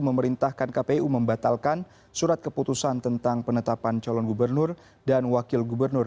memerintahkan kpu membatalkan surat keputusan tentang penetapan calon gubernur dan wakil gubernur